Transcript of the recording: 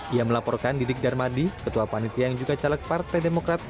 ia melaporkan didik darmadi ketua panitia yang juga caleg partai demokrat